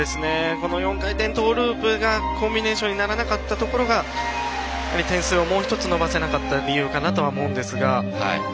この４回転トーループがコンビネーションにならなかったところが点数をもう一つ伸ばせなかった理由だと思うんですが。